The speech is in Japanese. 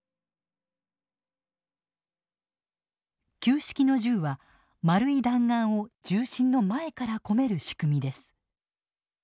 旧式の銃は丸い弾丸を銃身の前から込める仕組みです。